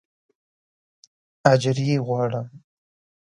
اجر یې غواړه.